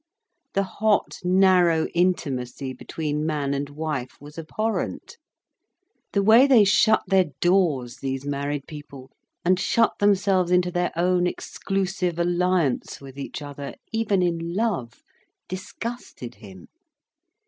The hot narrow intimacy between man and wife was abhorrent. The way they shut their doors, these married people, and shut themselves in to their own exclusive alliance with each other, even in love, disgusted him.